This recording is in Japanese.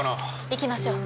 行きましょう。